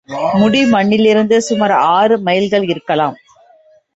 முடிமன்னிலிருந்து சுமார் ஆறு மைல்கள் இருக்கலாம்.